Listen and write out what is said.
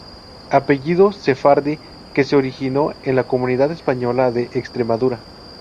Apellido Sefardí que se originó en la comunidad española de Extremadura.